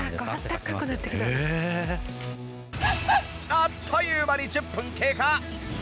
あっという間に１０分経過。